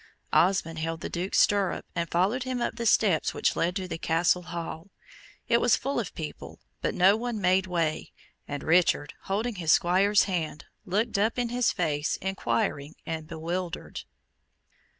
Osmond held the Duke's stirrup, and followed him up the steps which led to the Castle Hall. It was full of people, but no one made way, and Richard, holding his Squire's hand, looked up in his face, inquiring and bewildered.